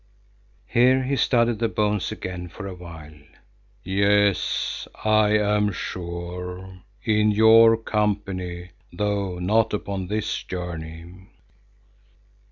(Here he studied the bones again for a while.) "Yes, I am sure, in your company, though not upon this journey."